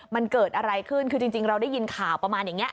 มันเกิดอะไรขึ้นคือจริงเราได้ยินข่าวประมาณอย่างนี้